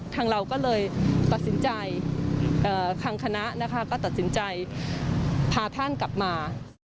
ทางเราก็เลยสวนคุณคณะก็ตัดสินใจพาท่านกลับมา